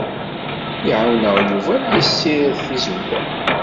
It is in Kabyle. Ɛawneɣ Yuba ad yessired tizewwa.